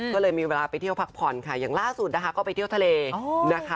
ก็เลยมีเวลาไปเที่ยวพักผ่อนค่ะอย่างล่าสุดนะคะก็ไปเที่ยวทะเลนะคะ